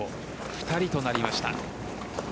２人となりました。